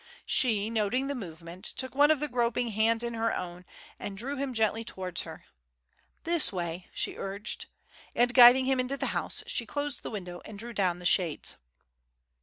She, noting the movement, took one of the groping hands in her own and drew him gently towards her. "This way," she urged; and, guiding him into the house, she closed the window and drew down the shades.